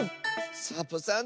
サボさん